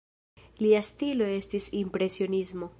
Lia stilo estis impresionismo.